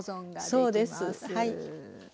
そうですはい。